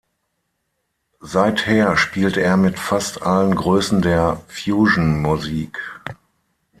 Seither spielte er mit fast allen Größen der Fusion-Musik.